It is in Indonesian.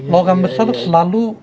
logam besar selalu